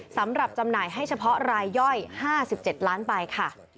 จำหน่ายให้เฉพาะรายย่อย๕๗ล้านใบค่ะ